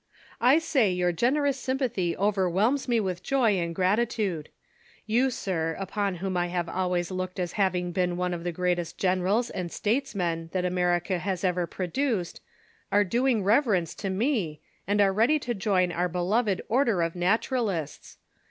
"•! say your gen erous sympathy overwhelms me with joy and gratitude. You, sir, upon whom I have always looked as having been one of the greatest generals and statesmen that America has ever produce. , are doing reverence to me, and are ready to join our beloved Order of Naturaluts.